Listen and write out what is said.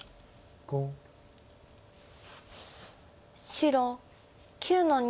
白９の二。